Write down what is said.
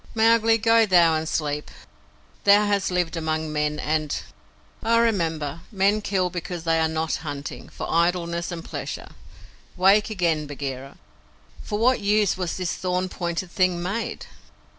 "Mowgli, go thou and sleep. Thou hast lived among men, and " "I remember. Men kill because they are not hunting; for idleness and pleasure. Wake again, Bagheera. For what use was this thorn pointed thing made?"